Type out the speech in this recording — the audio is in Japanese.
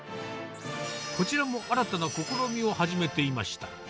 こちらも新たな試みを始めていました。